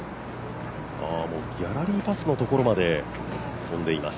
ギャラリーパスのところまで飛んでいます。